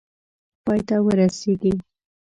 پای ته ورسیږي.